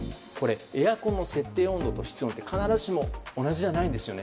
エアコンの設定温度と室温って必ずしも同じじゃないんですよね。